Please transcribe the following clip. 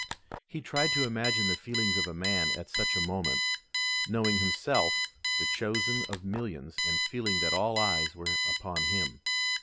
He tried to imagine the feelings of a man at such a moment, knowing himself the chosen of millions, and feeling that all eyes were upon him.